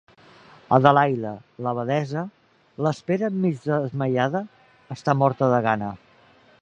Adelaida, l’abadessa, l’espera mig desmaiada; està morta de gana...